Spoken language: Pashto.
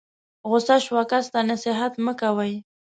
غسه شوي کس ته نصیحت مه کوئ.